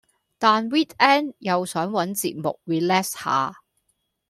但 weekend 又想搵節目 relax 下